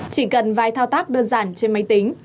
chỉ cần vài thao tác đơn giản trên máy tính